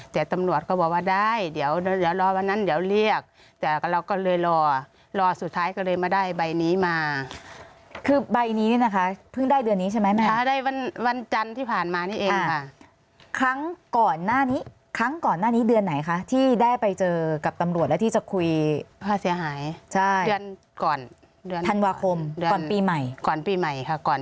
แต่ตำรวจก็บอกว่าได้เดี๋ยวเดี๋ยวรอวันนั้นเดี๋ยวเรียกแต่เราก็เลยรอรอสุดท้ายก็เลยมาได้ใบนี้มาคือใบนี้นี่นะคะเพิ่งได้เดือนนี้ใช่ไหมคะได้วันจันทร์ที่ผ่านมานี่เองค่ะครั้งก่อนหน้านี้ครั้งก่อนหน้านี้เดือนไหนคะที่ได้ไปเจอกับตำรวจแล้วที่จะคุยค่าเสียหายใช่เดือนก่อนเดือนธันวาคมก่อนปีใหม่ก่อนปีใหม่ค่ะก่อน